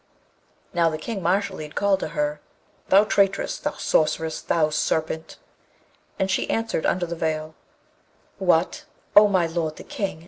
Now, the King Mashalleed called to her, 'Thou traitress! thou sorceress! thou serpent!' And she answered under the veil, 'What, O my lord the King!